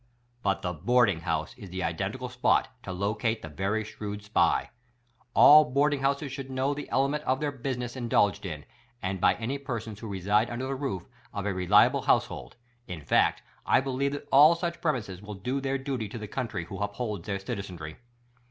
But the boarding house is the identical spot to locate the very shrewd SPY. All boarding houses should know the element of their business indulged in, and by all persons who reside under the roof of a reliable household — in fact, I believe that all such premises will do their duty to the country wdio upholds their citizenry.